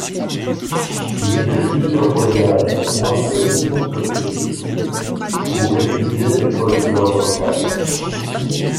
Il fait plusieurs voyages loin de l'Union soviétique, pour étudier le folklore local.